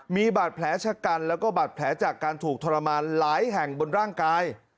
มีบาดแผลชะกันแล้วก็บาดแผลจากการถูกทรมานหลายแห่งบนร่างกาย